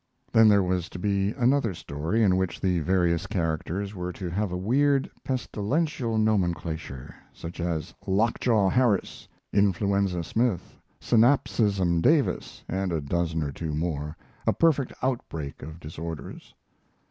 Then there was to be another story, in which the various characters were to have a weird, pestilential nomenclature; such as "Lockjaw Harris," "Influenza Smith," "Sinapism Davis," and a dozen or two more, a perfect outbreak of disorders.